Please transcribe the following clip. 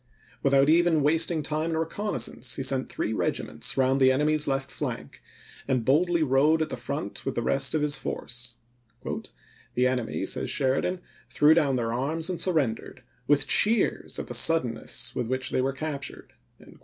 Without even wasting time in reconnaissance, he sent three regiments round the enemy's left flank, Sheridan, an(^ boldly rode at the front with the rest of his oration! force. " The enemy," says Sheridan, " threw down Febm27 their arms and surrendered, with cheers at the 1865. ' suddenness with which they were captured."